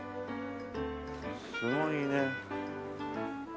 すごいね。